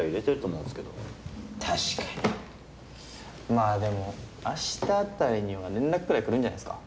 まあでも明日あたりには連絡くらい来るんじゃないですか。